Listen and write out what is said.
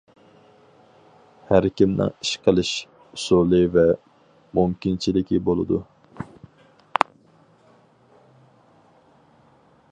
ھەركىمنىڭ ئىش قىلىش ئۇسۇلى ۋە مۇمكىنچىلىكى بولىدۇ.